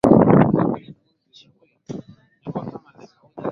ishirini na sita hadi tarehe ishirini na tisa mwezi wa kwanza mwaka elfu moja